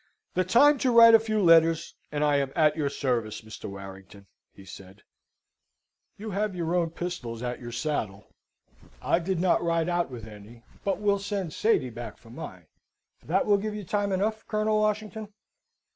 "The time to write a few letters, and I am at your service, Mr. Warrington," he said. "You have your own pistols at your saddle. I did not ride out with any; but will send Sady back for mine. That will give you time enough, Colonel Washington?"